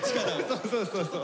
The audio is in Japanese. そうそうそうそう。